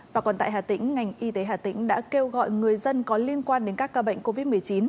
và còn tại hà tĩnh ngành y tế hà tĩnh đã kêu gọi người dân có liên quan đến các ca bệnh covid một mươi chín